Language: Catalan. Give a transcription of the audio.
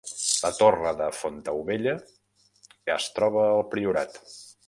La torre de Fontaubella es troba al Priorat